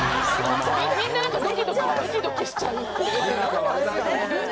みんななんかドキドキドキドキしちゃう。ですよね。